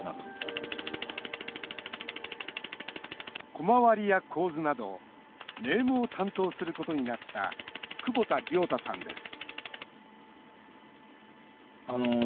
コマ割りや構図などネームを担当することになった久保田諒太さんです